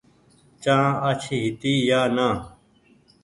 چآن آڇي هيتي يا نآ۔